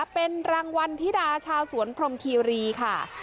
เป็นรางวัลธิดาชาวสวนพรมคีรีค่ะ